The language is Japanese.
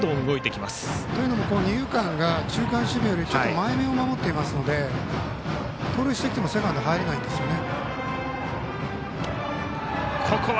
というのも二遊間が中間守備より前めを守っていますので盗塁してきてもセカンドは入れないんですよね。